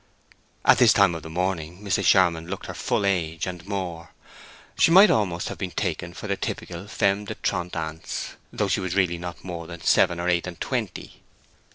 At this time of the morning Mrs. Charmond looked her full age and more. She might almost have been taken for the typical femme de trente ans, though she was really not more than seven or eight and twenty.